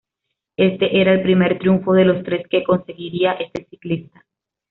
Este era el primer triunfo de los tres que conseguiría este ciclista.